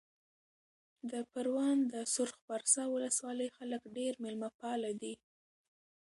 د پروان د سرخ پارسا ولسوالۍ خلک ډېر مېلمه پاله دي.